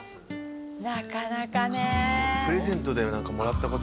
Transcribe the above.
なかなかね。